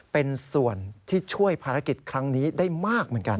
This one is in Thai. เป็นส่วนที่ช่วยภารกิจครั้งนี้ได้มากเหมือนกัน